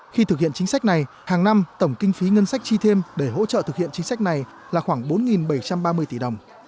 khi thực hiện chính sách này hàng năm tổng kinh phí ngân sách chi thêm để hỗ trợ thực hiện chính sách này là khoảng bốn bảy trăm ba mươi tỷ đồng